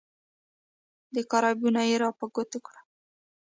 د کار عیبونه یې را په ګوته کړل.